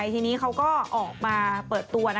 ทีนี้เขาก็ออกมาเปิดตัว